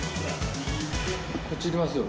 こっち行きますよ？